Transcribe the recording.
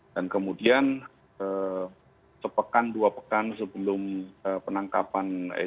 dan kemudian sepekan dua pekan sebelum penangkapan eh